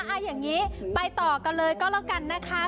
เอาอย่างนี้ไปต่อกันเลยก็แล้วกันนะคะ